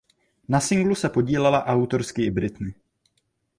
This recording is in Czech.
Na singlu se podílela autorsky i Britney.